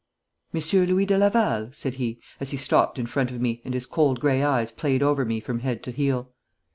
'Monsieur Louis de Laval?' said he, as he stopped in front of me, and his cold grey eyes played over me from head to heel.